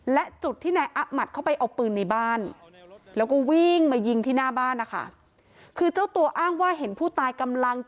และจุดที่นายอั๊บหมัดเข้าไปเอาปืนในบ้าน